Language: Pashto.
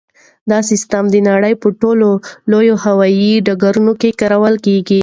دا سیسټم د نړۍ په ټولو لویو هوایي ډګرونو کې کارول کیږي.